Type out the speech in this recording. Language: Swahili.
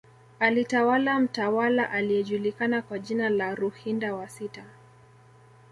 Alitawala mtawala aliyejulikana kwa jina la Ruhinda wa sita